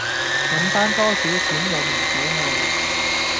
搵番多少錢有門手藝